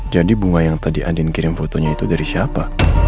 jadi bunga yang tadi andien kirim fotonya itu dari siapa